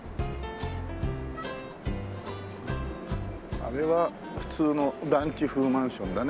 あれは普通の団地風マンションだね。